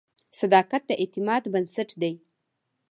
صداقت د اعتماد بنسټ دی.